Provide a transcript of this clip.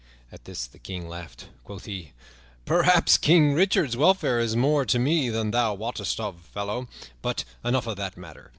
At this the King laughed. Quoth he, "Perhaps King Richard's welfare is more to me than thou wottest of, fellow. But enough of that matter.